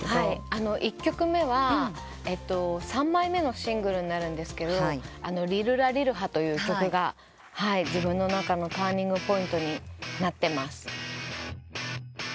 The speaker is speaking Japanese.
１曲目は３枚目のシングルになるんですけど『リルラリルハ』という曲が自分の中のターニングポイントになってます。